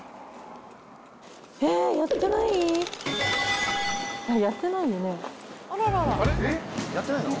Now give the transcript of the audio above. えっ？